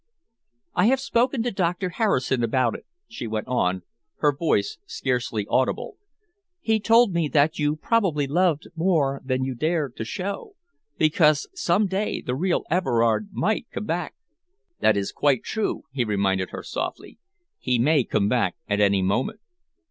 "I have spoken to Doctor Harrison about it," she went on, her voice scarcely audible. "He told me that you probably loved more than you dared to show, because someday the real Everard might come back." "That is quite true," he reminded her softly. "He may come back at any moment."